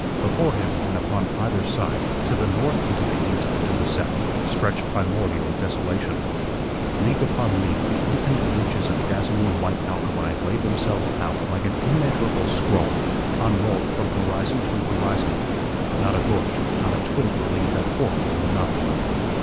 Before him and upon either side, to the north and to the east and to the south, stretched primordial desolation. League upon league the infinite reaches of dazzling white alkali laid themselves out like an immeasurable scroll unrolled from horizon to horizon; not a bush, not a twig relieved that horrible monotony.